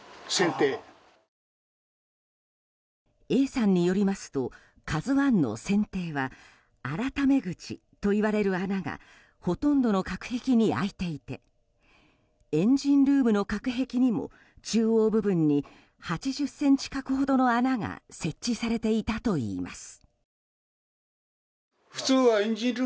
Ａさんによりますと「ＫＡＺＵ１」の船底は改口といわれる穴がほとんどの隔壁に開いていてエンジンルームの隔壁にも中央部分に８０ｃｍ角ほどの穴が設置されていたといいます。